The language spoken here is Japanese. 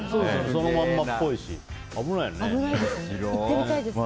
そのまんまっぽいし危ないよね。